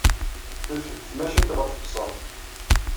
Tudef-d tmacint ɣer teɣsert.